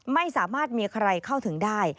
ไม่มีใครเข้าถึงได้